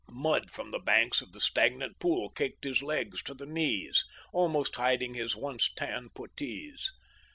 Mud from the banks of the stagnant pool caked his legs to the knees, almost hiding his once tan puttees.